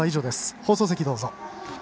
放送席どうぞ。